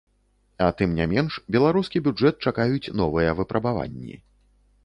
А тым не менш, беларускі бюджэт чакаюць новыя выпрабаванні.